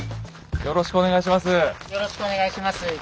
よろしくお願いします。